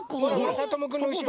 まさともくんのうしろ。